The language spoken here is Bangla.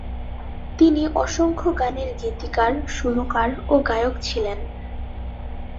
তিনি অসংখ্য গানের গীতিকার, সুরকার ও গায়ক ছিলেন।